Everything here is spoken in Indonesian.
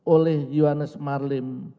oleh yohanes marlin